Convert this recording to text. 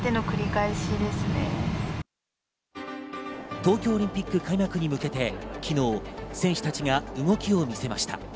東京オリンピック開幕に向けて昨日、選手たちが動きを見せました。